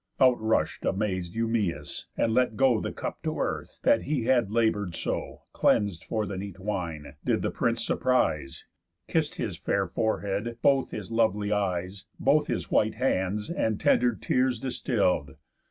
Out rush'd amaz'd Eumæus, and let go The cup to earth, that he had labour'd so, Cleans'd for the neat wine, did the prince surprise, Kiss'd his fair forehead, both his lovely eyes, Both his white hands, and tender tears distill'd.